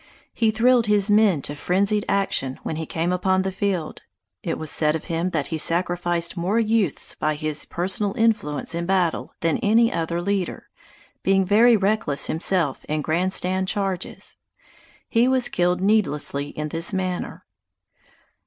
He thrilled his men to frenzied action when he came upon the field. It was said of him that he sacrificed more youths by his personal influence in battle than any other leader, being very reckless himself in grand stand charges. He was killed needlessly in this manner.